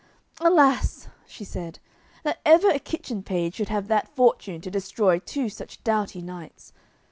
"Alas," she said, "that ever a kitchen page should have that fortune to destroy two such doughty knights.